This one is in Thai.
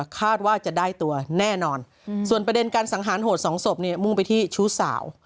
คาดว่าจะได้ตัวแน่นอนส่วนประเด็นการสังหารโหดสองศพเนี่ยมุ่งไปที่ชู้สาว